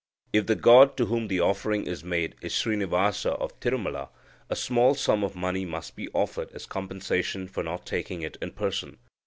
If the god to whom the offering is made is Srinivasa of Tirumala, a small sum of money must be offered as compensation for not taking it in person.